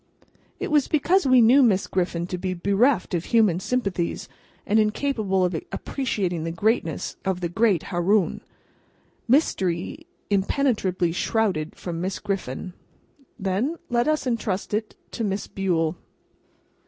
It was because we knew Miss Griffin to be bereft of human sympathies, and incapable of appreciating the greatness of the great Haroun. Mystery impenetrably shrouded from Miss Griffin then, let us entrust it to Miss Bule.